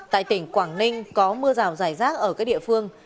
tại tỉnh quảng ninh có mưa rào dài rác ở các địa phương